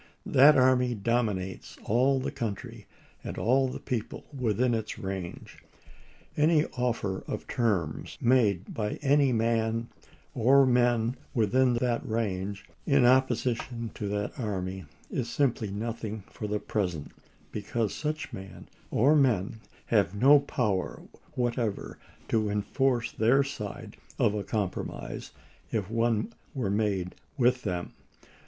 That army dominates all the country and all the people within its range. Any offer of terms made by any man or men within that range, in opposition to that army, is simply nothing for the present, because such man or men have no power whatever to enforce their side of a compromise if one were made with them.